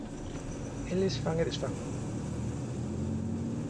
Eles fan e desfán.